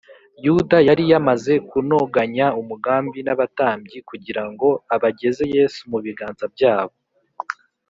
yuda yari yamaze kunoganya umugambi n’abatambyi kugira ngo abageze yesu mu biganza byabo